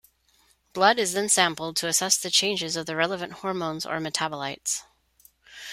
Blood is then sampled to assess the changes of the relevant hormones or metabolites.